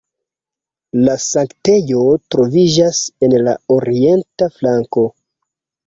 La sanktejo troviĝas en la orienta flanko.